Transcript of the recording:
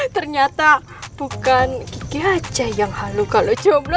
ternyata bukan kiki aja yang halukalo jomblo